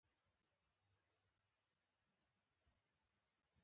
د خپلو اولادونو ښه روزنه وکړه.